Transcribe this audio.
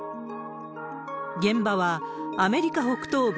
現場はアメリカ北東部